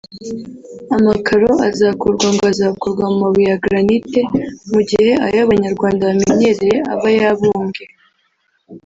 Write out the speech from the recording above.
Amakaro azakorwa ngo azakorwa mu mabuye ya granite mu gihe ayo Abanyarwanda bamenyereye aba yabumbwe